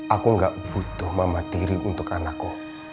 aku gak butuh mama tiri untuk anakku